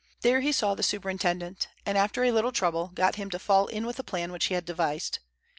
There he saw the superintendent, and after a little trouble got him to fall in with the plan which he had devised.